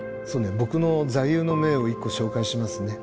僕の座右の銘を１個紹介しますね。